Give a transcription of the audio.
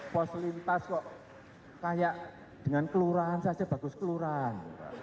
pos lintas kok kayak dengan kelurahan saja bagus kelurahan